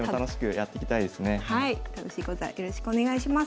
はい楽しい講座よろしくお願いします。